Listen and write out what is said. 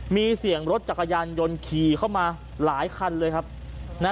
มีเสียงรถจักรยานยนต์ขี่เข้ามามาหลายคัน